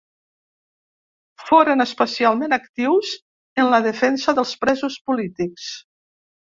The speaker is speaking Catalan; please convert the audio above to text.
Foren especialment actius en la defensa dels presos polítics.